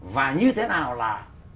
và như thế nào là